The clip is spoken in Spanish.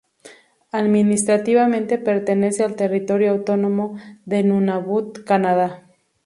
Administrativamente pertenece al territorio autónomo de Nunavut, Canadá.